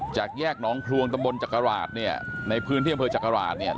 จากแยกหนองพลวงตำบลจักราชเนี่ยในพื้นที่อำเภอจักราชเนี่ย